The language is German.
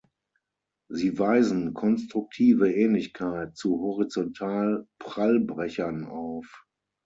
Sie weisen konstruktive Ähnlichkeit zu Horizontal-Prallbrechern auf.